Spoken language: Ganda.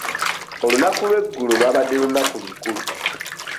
Olunaku lw'eggulo lwabadde lunaku lukulu.